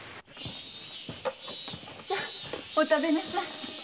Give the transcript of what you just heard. さぁお食べなさい。